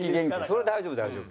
それは大丈夫大丈夫。